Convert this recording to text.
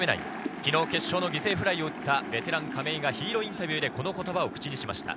昨日、決勝の犠牲フライを打ったベテラン亀井が、ヒーローインタビューで口にしました。